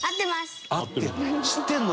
知ってるの？